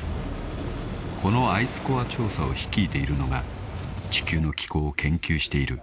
［このアイスコア調査を率いているのが地球の気候を研究している］